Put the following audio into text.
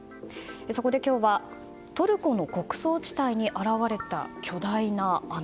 そこで今日はトルコの穀倉地帯に現れた巨大な穴。